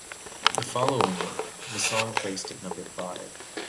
The following week, the song placed at number five.